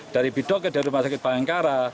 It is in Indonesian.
dari bidok ke rumah sakit pahangkara